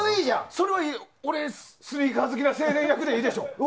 それ、俺がスニーカー好きな青年役でいいでしょ。